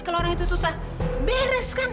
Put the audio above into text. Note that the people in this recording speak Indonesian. kalau orang itu susah beres kan